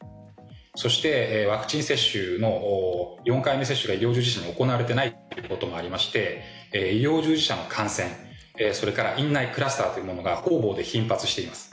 そして、ワクチン接種の４回目接種が医療従事者に行われていないということもありまして医療従事者も感染、それから院内クラスターというものが方々で頻発しています。